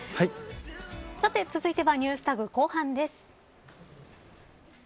続いてはＮｅｗｓＴａｇ後半です。